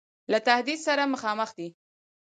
له تهدید سره مخامخ دی.